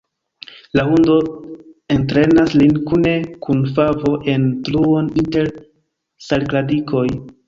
La hundo entrenas lin kune kun Favo en truon inter salikradikoj.